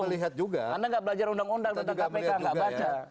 anda tidak belajar undang undang tentang kpk tidak belajar juga